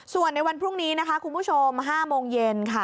ส่วนในวันพรุ่งนี้คุณผู้ชม๕โมงเย็น